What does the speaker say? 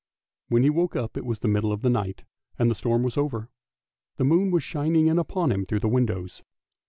When he woke up it was the middle of the night and the storm was over: the moon was shining in upon him through the windows.